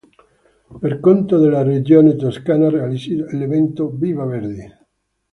Per conto della Regione Toscana realizza l'evento "Viva Verdi!